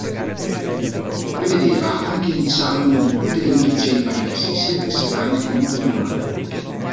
Prevedeva anche il disarmo di tutte le milizie libanesi, sia cristiane che musulmane.